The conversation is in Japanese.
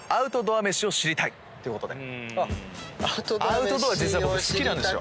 アウトドア実は僕好きなんですよ。